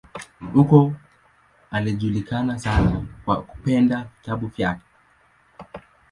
Huko alijulikana sana kwa kupenda vitabu kwake.